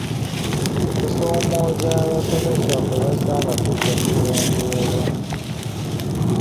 Okusoomooza abasomesa kwe basanga kujja kugonjoolwa.